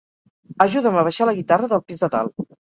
Ajuda'm a baixar la guitarra del pis de dalt